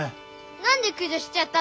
何でくじょしちゃったの？